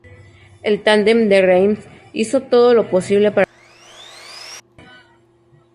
El tándem de Reims hizo todo lo posible para proteger al joven Otón.